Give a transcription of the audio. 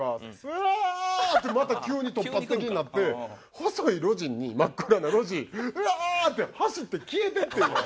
また急に突発的になって細い路地に真っ暗な路地うわ！って走って消えてって。